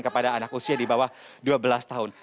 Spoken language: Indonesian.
kepada anak usia di bawah dua belas tahun